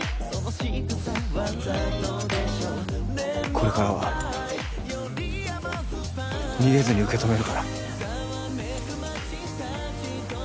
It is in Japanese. これからは逃げずに受け止めるから。